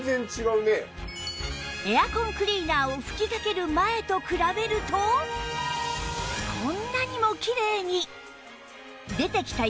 エアコンクリーナーを吹きかける前と比べるとこんなにもきれいに！